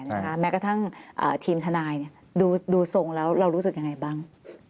ใช่ค่ะแม้กระทั่งอ่าทีมทนายเนี่ยดูดูทรงแล้วเรารู้สึกยังไงบ้าง